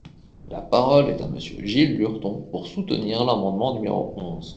La parole est à Monsieur Gilles Lurton, pour soutenir l’amendement numéro onze.